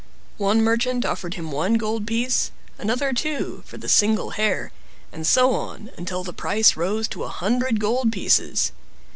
One merchant offered him one gold piece, another two, for the single hair, and so on, until the price rose to a hundred gold pieces.